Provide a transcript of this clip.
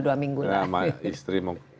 dua minggu lah ya istri mau